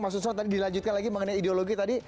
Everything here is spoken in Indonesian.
mas usman tadi dilanjutkan lagi mengenai ideologi tadi